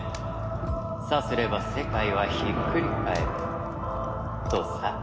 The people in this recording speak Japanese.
さすれば世界はひっくり返るとさ。